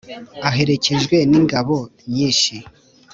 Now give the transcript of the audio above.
aherekejwe n’ingabo nyinshi.